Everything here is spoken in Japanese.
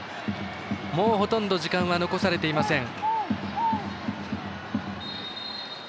もうほとんど時間は残されていません。